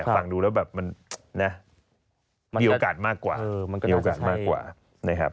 ฟังดูแล้วแบบมันเนี่ยมีโอกาสมากกว่า